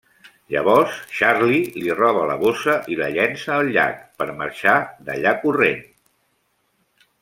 Llavors, Charlie li roba la bossa i la llença al llac per marxar d'allà corrent.